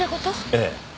ええ。